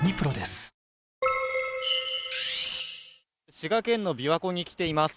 滋賀県のびわ湖に来ています。